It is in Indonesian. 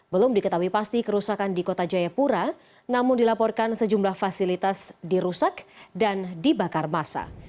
belum diketahui pasti kerusakan di kota jayapura namun dilaporkan sejumlah fasilitas dirusak dan dibakar masa